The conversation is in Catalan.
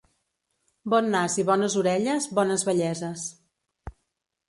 Bon nas i bones orelles, bones velleses.